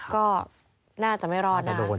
ก็น่าจะไม่รอดนะคะ